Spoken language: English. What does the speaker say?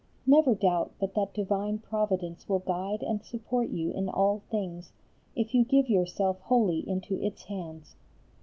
Never doubt but that divine Providence will guide and support you in all things, if you give yourself wholly into Its hands.